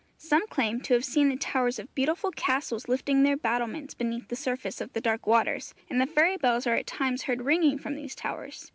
Some claim to have seen the towers of beautiful castles lifting their battlements beneath the surface of the dark waters, and fairy bells are at times heard ringing from these towers.